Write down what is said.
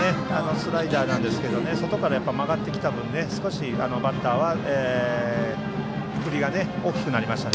スライダーなんですけど外から曲がってきた分少しバッターは振りが大きくなりました。